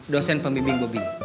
dosen pembimbing bobi